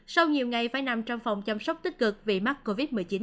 sau nhiều ngày phải nằm trong phòng chăm sóc tích cực vì mắc covid một mươi chín